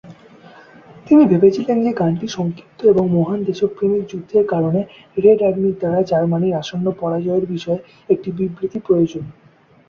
তিনি ভেবেছিলেন যে গানটি সংক্ষিপ্ত এবং মহান দেশপ্রেমিক যুদ্ধের কারণে, রেড আর্মির দ্বারা জার্মানির আসন্ন পরাজয়ের বিষয়ে একটি বিবৃতি প্রয়োজন।